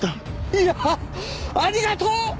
いやあありがとう！